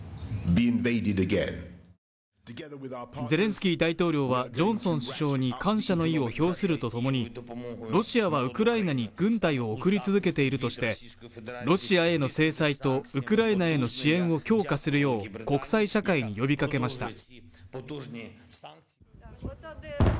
ゼレンスキー大統領はジョンソン首相に感謝の意を表すると共にロシアはウクライナに軍隊を送り続けているとしてロシアへの制裁とウクライナへの支援を強化するよう国際社会に呼びかけました。